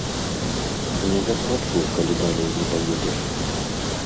Не заплачу, калі далей не паедзеш!